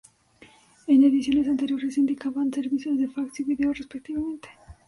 En ediciones anteriores, indicaban servicios de fax y vídeo, respectivamente.